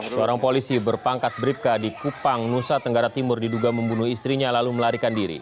seorang polisi berpangkat beribka di kupang nusa tenggara timur diduga membunuh istrinya lalu melarikan diri